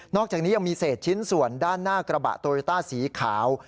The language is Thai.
อกจากนี้ยังมีเศษชิ้นส่วนด้านหน้ากระบะโตโยต้าสีขาว